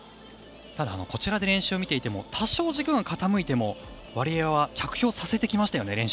こちらで練習を見ていても多少軸が傾いてもワリエワは着氷させてきましたよね。